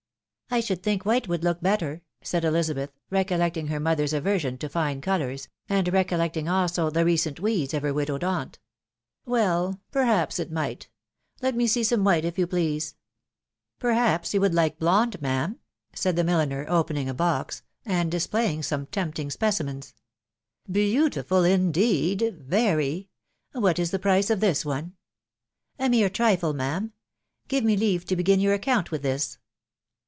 " I should think white would look better," said Elizabeth, recollecting her mother's aversion to fine colours, and recol lecting also the recent weeds of her widowed aunt. " Well, .... perhaps it might. Let me see some white, if .you please." " Perhaps you would like blonde, m&'«sn,V* wA <&& \ss& tiner, opening a box, and displaying aome \fcm^u\% T^wssaKea* L 3 150 THE WIDOW BAJUTABY. *< Beautiful indeed !.... very !.... What » the price of this one?" " A mere trifle, ma'am. .•• Give me imare ,te fogm yonr account with this."